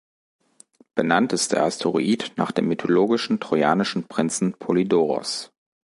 Benannt ist der Asteroid nach dem mythologischen trojanischen Prinzen Polydoros.